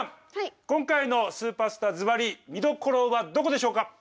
今回の「スーパースター」ずばり見どころはどこでしょうか？